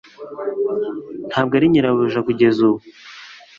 Ntabwo ari nyirabuja kugeza ubu